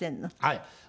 はい。